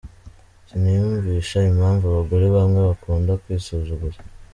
Siniyumvisha impamvu abagore bamwe bakunda kwisuzuguza.